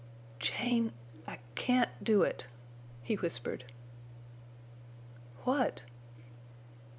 "Jane—I—can't—do—it!" he whispered. "What?"